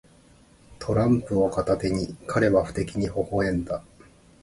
トランプを片手に、彼は不敵にほほ笑んだ。